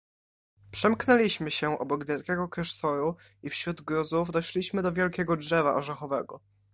"Przemknęliśmy się obok wielkiego klasztoru i wśród gruzów doszliśmy do wielkiego drzewa orzechowego."